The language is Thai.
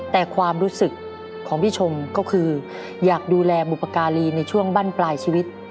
แต่ความรู้สึกของพี่ชมก็คืออยากดูแลบุปการีในช่วงบั้นปลายชีวิต